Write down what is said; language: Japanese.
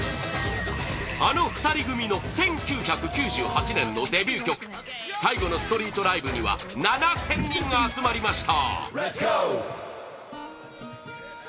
あの２人組の１９９８年のデビュー曲最後のストリートライブには７０００人が集まりました